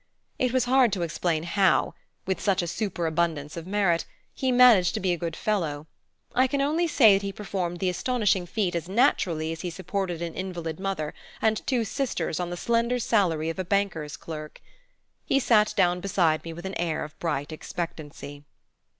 It was hard to explain how, with such a superabundance of merit, he managed to be a good fellow: I can only say that he performed the astonishing feat as naturally as he supported an invalid mother and two sisters on the slender salary of a banker's clerk. He sat down beside me with an air of bright expectancy.